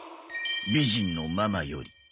「美人のママより」